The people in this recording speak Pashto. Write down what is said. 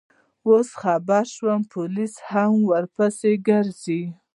اوس خبر شوم، پولیس هم ورپسې ګرځي.